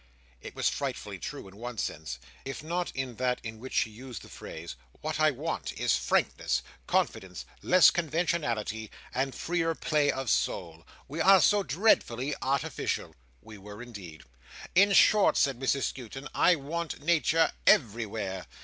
It was frightfully true in one sense, if not in that in which she used the phrase. "What I want, is frankness, confidence, less conventionality, and freer play of soul. We are so dreadfully artificial." We were, indeed. "In short," said Mrs Skewton, "I want Nature everywhere.